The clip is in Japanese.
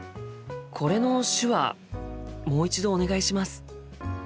これの手話もう一度お願いします。